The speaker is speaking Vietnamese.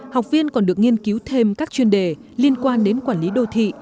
học viên còn được nghiên cứu thêm các chuyên đề liên quan đến quản lý đô thị